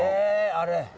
あれ？